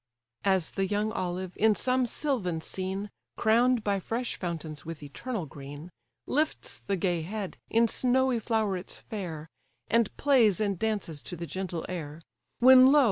As the young olive, in some sylvan scene, Crown'd by fresh fountains with eternal green, Lifts the gay head, in snowy flowerets fair, And plays and dances to the gentle air; When lo!